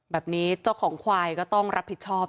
แบบนี้เจ้าของควายก็ต้องรับผิดชอบ